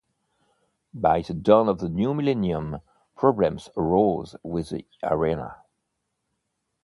By the dawn of the new millennium, problems arose with the arena.